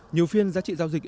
nhiều phiên giá trị giao dịch